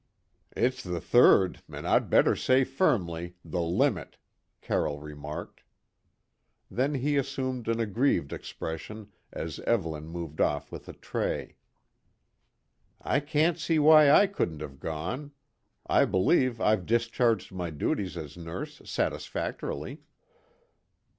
"It's the third and I'd better say firmly, the limit," Carroll remarked. Then he assumed an aggrieved expression as Evelyn moved off with a tray. "I can't see why I couldn't have gone. I believe I've discharged my duties as nurse satisfactorily."